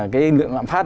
cái lượng lạm phát